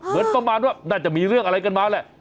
เหมือนประมาณว่าน่าจะมีเรื่องอะไรกันมาแหละ